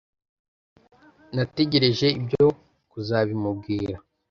nategereje ibyo kuzabimubwira